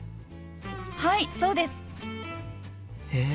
はいそうです！へえ。